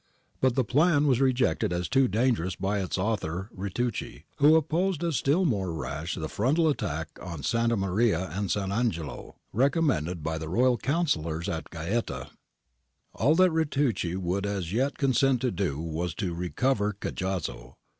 But the plan was rejected as too dangerous by its author Ritucci, who opposed as still more rash the frontal attack on Santa Maria and Sant' Angelo, recommended by the Royal counsellors at Gaeta. All that Ritucci would as yet consent to do was to recover Cajazzo.